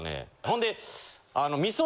ほんで。